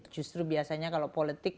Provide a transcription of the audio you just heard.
justru biasanya kalau politik